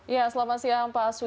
ya selamat siang pak aswi